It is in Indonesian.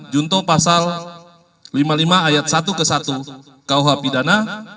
junto pasal lima puluh lima ayat satu ke satu kuh pidana